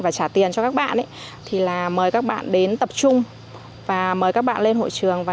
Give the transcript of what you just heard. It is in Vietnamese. chúng tôi sẽ trả tiền cho các bạn thì là mời các bạn đến tập trung và mời các bạn lên hội trường và